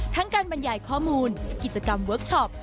การบรรยายข้อมูลกิจกรรมเวิร์คชอป